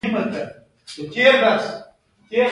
د مرخیړیو کښت په کور کې کیږي؟